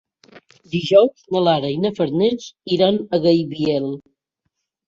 Dijous na Lara i na Farners iran a Gaibiel.